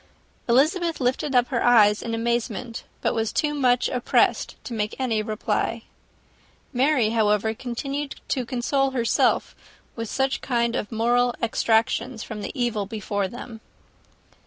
Elizabeth lifted up her eyes in amazement, but was too much oppressed to make any reply. Mary, however, continued to console herself with such kind of moral extractions from the evil before them.